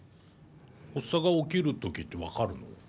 発作が起きる時って分かるの？